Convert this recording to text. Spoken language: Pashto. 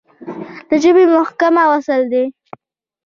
د ژبې محکمه ولس دی.